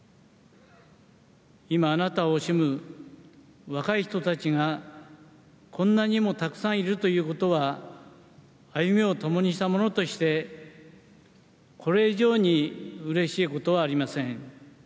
今、あなたを惜しむ若い人たちがこんなにもたくさんいるということは歩みをともにしたものとしてこれ以上にうれしいことはありません。